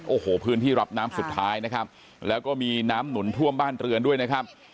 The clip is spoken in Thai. โอ้โหพื้นที่รับน้ำสุดท้ายนะครับแล้วก็มีน้ำหนุนท่วมบ้านเรือนด้วยนะครับ